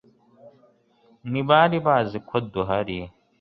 ntibari bazi ko duhari